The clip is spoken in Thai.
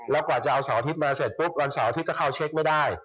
แล้วกว่าจะเอาเสาร์อาทิตย์มาเสร็จปุ๊บวันเสาร์อาทิตย์ก็เข้าเช็คไม่ได้